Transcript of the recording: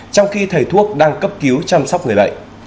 trong khi thầy thuốc đang cấp cứu chăm sóc người bệnh